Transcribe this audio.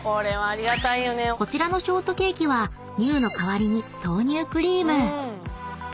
［こちらのショートケーキは乳の代わりに豆乳クリーム］